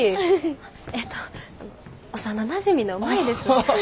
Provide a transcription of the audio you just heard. えっと幼なじみの舞です。